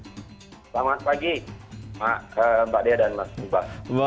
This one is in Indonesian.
selamat pagi mbak dea dan mas ubah